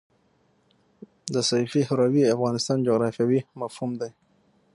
د سیفي هروي افغانستان جغرافیاوي مفهوم دی.